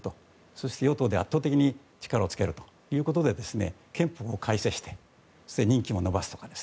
そして与党で圧倒的に力をつけるということで憲法を改正して任期も伸ばすとか。